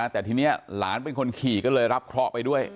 แต่ทีนี้หลานเป็นคนขี่ก็เลยรับเคราะห์ไปด้วย